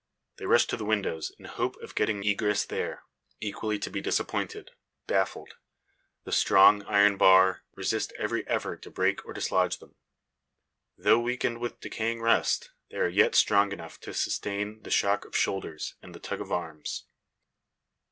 They rush to the windows, in hope of getting egress there. Equally to be disappointed, baffled. The strong, iron bar resist every effort to break or dislodge them. Though weakened with decaying rust, they are yet strong enough to sustain the shock of shoulders, and the tug of arms.